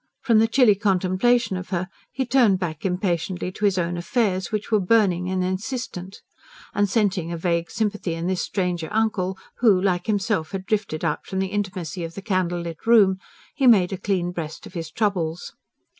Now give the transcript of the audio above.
From the chilly contemplation of her he turned back impatiently to his own affairs, which were burning, insistent. And scenting a vague sympathy in this stranger uncle who, like himself, had drifted out from the intimacy of the candle lit room, he made a clean breast of his troubles.